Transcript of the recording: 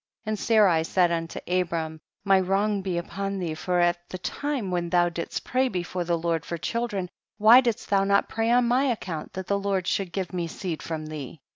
31. And Sarai said unto Abram, my wrong be upon thee, for at the time when thou didst pray before the Lord for children why didst thou not pray on my account, that the Lord should give me seed from thee